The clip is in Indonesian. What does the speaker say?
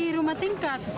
di rumah tingkat